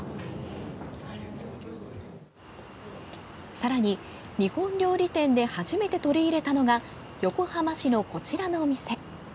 さらに、日本料理店で初めて取り入れたのが横浜市のこちらのお店。